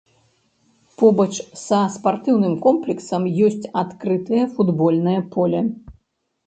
Побач са спартыўным комплексам ёсць адкрытае футбольнае поле.